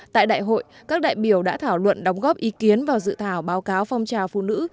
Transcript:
tại đại hội các đại biểu đã thảo luận đóng góp ý kiến vào dự thảo báo cáo phong trào phụ nữ